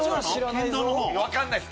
分かんないです